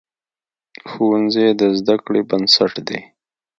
ښوونځی د زده کړې بنسټ دی.